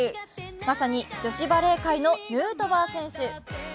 まさに女子バレー界のヌートバー選手。